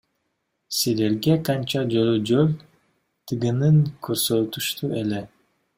Силерге канча жолу жол тыгынын көрсөтүштү эле?